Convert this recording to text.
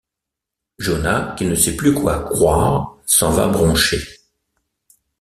Jonah, qui ne sait plus quoi croire, s'en va broncher.